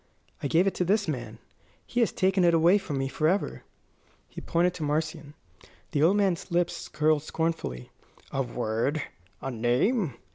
I gave it to this man. He has taken it away from me forever." He pointed to Marcion. The old man's lips curled scornfully. "A word, a name!"